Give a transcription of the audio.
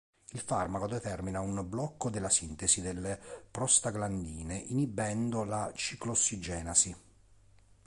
Il farmaco determina un blocco della sintesi delle prostaglandine inibendo la ciclossigenasi.